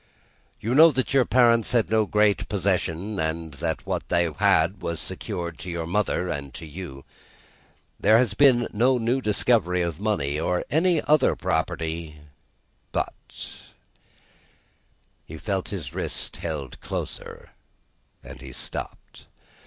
"You know that your parents had no great possession, and that what they had was secured to your mother and to you. There has been no new discovery, of money, or of any other property; but " He felt his wrist held closer, and he stopped.